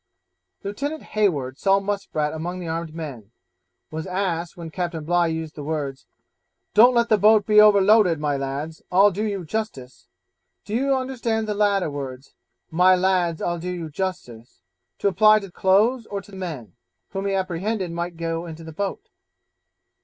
Lieutenant Hayward saw Muspratt among the armed men: was asked, when Captain Bligh used the words, 'Don't let the boat be overloaded, my lads' 'I'll do you justice'; do you understand the latter words, 'My lads, I'll do you justice,' to apply to clothes or to men, whom he apprehended might go into the boat?